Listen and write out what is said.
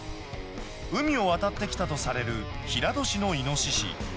海を渡ってきたとされる平戸市のイノシシ。